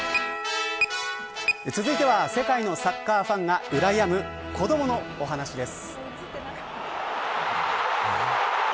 続いては世界のサッカーファンがうらやむ子どものお話です。